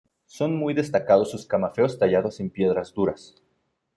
Son muy destacados sus camafeos tallados en piedras duras.